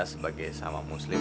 sebagai sama muslim